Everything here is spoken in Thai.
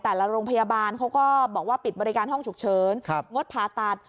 โรงพยาบาลเขาก็บอกว่าปิดบริการห้องฉุกเฉินงดผ่าตัด